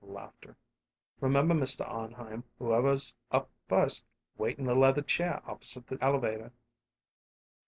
Laughter. "Remember, Mr. Arnheim, whoever's up first wait in the leather chair opposite the elevator."